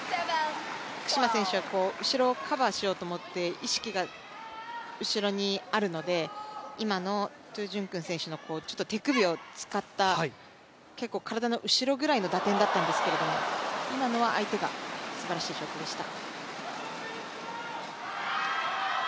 福島選手は後ろをカバーしようと思って意識が後ろにあるので今のトウ・ジュンクンの手首を使った結構、体の後ろぐらいの打点だったんですが今のは相手のすばらしいショットでした。